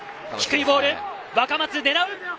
低いボール、若松が狙う。